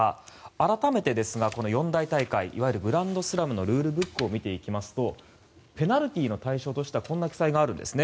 改めてですが、この四大大会いわゆるグランドスラムのルールブックを見ていきますとペナルティーの対象としてはこんな記載があるんです。